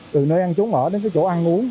từ nơi ăn trốn ở đến chỗ ăn uống